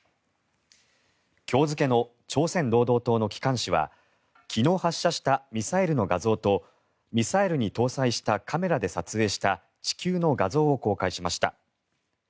今日付の朝鮮労働党の機関紙は昨日発射したミサイルの画像とミサイルに搭載したカメラで撮影した地球の画像を公開しました。